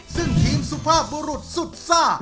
ซึ่งทีมสุภาพบุรุษสุดซ่า